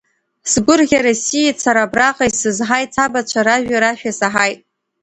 Сгәырӷьара сиит сара абраҟа, исызҳаит, сабацәа ражәеи рашәеи саҳаит.